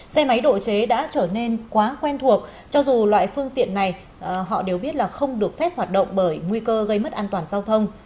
xe máy độ chế đã trở nên quá quen thuộc cho dù loại phương tiện này họ đều biết là không được phép hoạt động bởi nguy cơ gây mất an toàn giao thông